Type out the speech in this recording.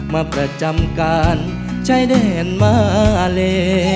มาประจำกันใช้เด้นมาเล